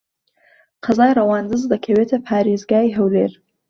قەزای ڕەواندز دەکەوێتە پارێزگای هەولێر.